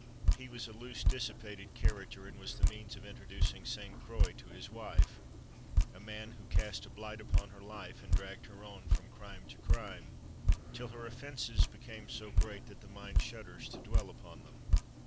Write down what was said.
He was a loose, dissipated character, and was the means of introducing Sainte Croix to his wife, a man who cast a blight upon her life, and dragged her on from crime to crime, till her offences became so great that the mind shudders to dwell upon them.